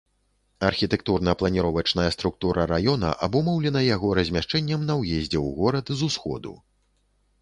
Архітэктурна-планіровачная структура раёна абумоўлена яго размяшчэннем на ўездзе ў горад з усходу.